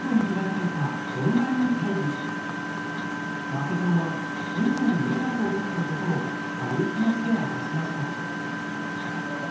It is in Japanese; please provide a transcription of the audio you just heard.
間瀬さんは近所に迷惑をかけたことを軽い気持ちで明かしました。